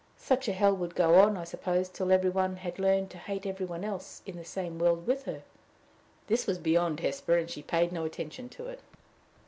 Such a hell would go on, I suppose, till every one had learned to hate every one else in the same world with her." This was beyond Hesper, and she paid no attention to it.